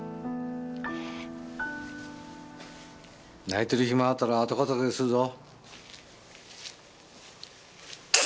泣いてる暇あったら後片付けするぞ。